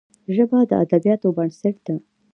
ژبه د ادبياتو بنسټ ده